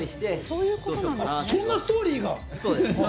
そんなストーリーが？